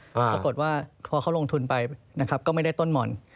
ปรากฏว่าพอเขาลงทุนไปนะครับก็ไม่ได้ต้นหม่อน